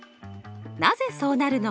なぜそうなるのか？